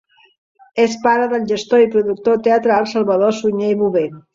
És pare del gestor i productor teatral Salvador Sunyer i Bover.